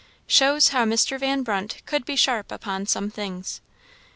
Shows how Mr. Van Brunt could be sharp upon some things.